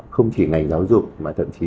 không chỉ ngành giáo dục mà thậm chí